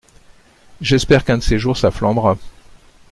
J’espère qu’un de ces jours ça flambera.